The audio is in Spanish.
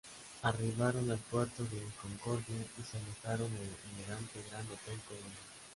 Arribaron al Puerto de Concordia y se alojaron en el elegante Gran Hotel Colón.